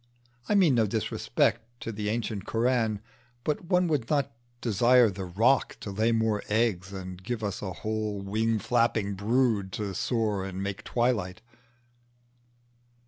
I mean no disrespect to the ancient Koran, but one would not desire the roc to lay more eggs and give us a whole wing flapping brood to soar and make twilight.